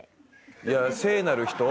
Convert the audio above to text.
いや「聖なる人」